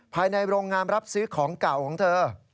ภายในโรงงานรับซื้อของเก่าของเธอ